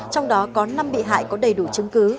trong đó có năm bị hại có đầy đủ chứng cứ